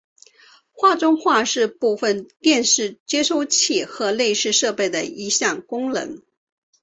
画中画是部分电视接收器和类似设备的一项功能。